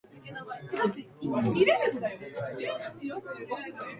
ああ、なんて素晴らしい響きなんだろう。